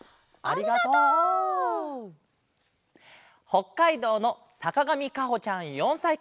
ほっかいどうのさかがみかほちゃん４さいから。